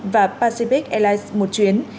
và pacific airlines một chuyến